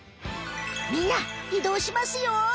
みんないどうしますよ。